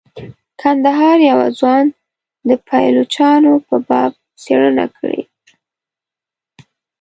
کندهار یوه ځوان د پایلوچانو په باب څیړنه کړې.